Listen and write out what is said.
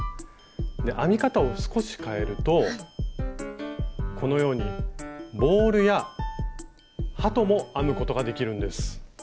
編み方を少し変えるとこのようにボールや鳩も編むことができるんです。